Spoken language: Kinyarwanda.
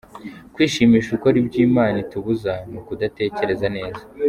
Kwishimisha ukora ibyo imana itubuza, ni ukudatekereza neza.